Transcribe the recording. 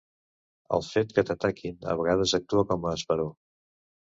El fet que t’ataquin, a vegades, actua com a esperó.